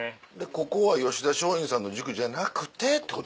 ここは吉田松陰さんの塾じゃなくてってことやもんね。